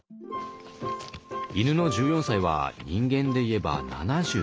犬の１４歳は人間でいえば７２歳。